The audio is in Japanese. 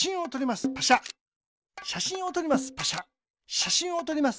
しゃしんをとります。